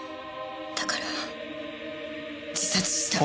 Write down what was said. だから自殺した。